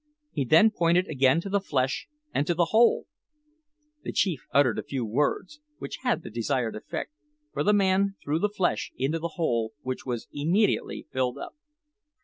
He then pointed again to the flesh and to the hole. The chief uttered a few words, which had the desired effect; for the man threw the flesh into the hole, which was immediately filled up.